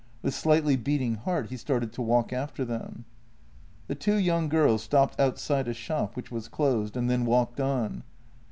With slightly beating heart he started to walk after them. The two young girls stopped outside a shop, which was closed, and then walked on.